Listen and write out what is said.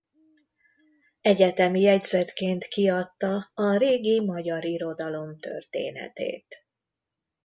Egyetemi jegyzetként kiadta a régi magyar irodalom történetét.